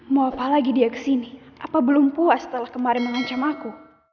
mau apa lagi dia kesini apa belum puas setelah kemarin mengancam aku